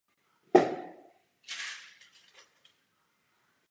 Množí se semeny i dělením oddenků.